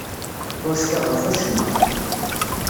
Ur cfiɣ ɣef wacemma.